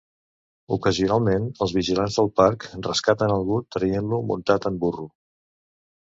Ocasionalment, els vigilants del parc rescaten algú traient-lo muntat en burro.